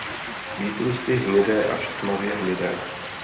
Výtrusy hnědé až tmavě hnědé.